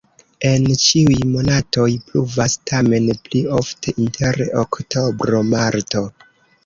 En ĉiuj monatoj pluvas, tamen pli ofte inter oktobro-marto.